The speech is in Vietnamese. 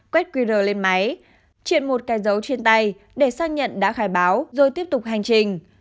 quét qr lên máy chuyển một cái dấu trên tay để xác nhận đã khai báo rồi tiếp tục hành trình